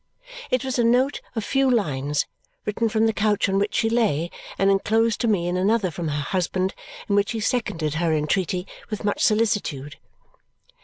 It was a note of a few lines, written from the couch on which she lay and enclosed to me in another from her husband, in which he seconded her entreaty with much solicitude.